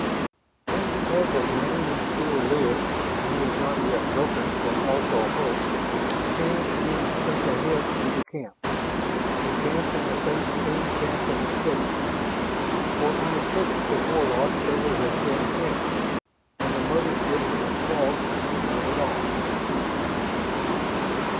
And because a man who still lives and who is not yet broken can also hope, Shann began to think ahead to the camp the camp and a faint, thin chance of escape. For on the surface of Warlock there was a thin chance; in the mother ship of the Throgs none at all.